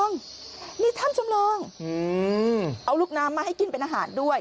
นี่ถ้ำจำลองเอาลูกน้ำมาให้กินเป็นอาหารด้วย